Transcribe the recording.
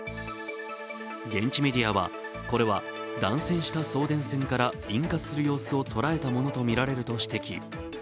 現地メディアは、これは断線した送電線から引火する様子をとらえたものとみられると指摘。